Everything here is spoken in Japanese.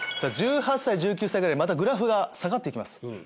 １８歳１９歳ぐらいまたグラフが下がって行きます。